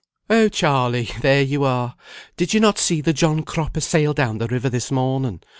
"Oh, Charley! there you are! Did you not see the John Cropper sail down the river this morning?